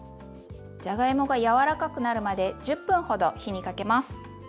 じゃがいもが柔らかくなるまで１０分ほど火にかけます。